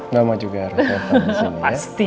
mama juga harus have fun disini ya